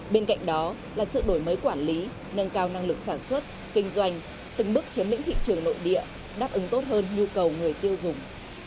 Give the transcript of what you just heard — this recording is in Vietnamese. bên cạnh đó là sự đổi mới quản lý nâng cao năng lực sản xuất kinh doanh từng bước chiếm lĩnh thị trường nội địa đáp ứng tốt hơn nhu cầu người tiêu dùng